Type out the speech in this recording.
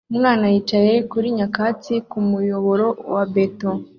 Umwana yicaye kuri nyakatsi kumuyoboro wa beto